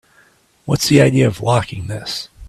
What's the idea of locking this?